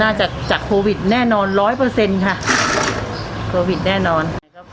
จากจากโควิดแน่นอนร้อยเปอร์เซ็นต์ค่ะโควิดแน่นอนครับ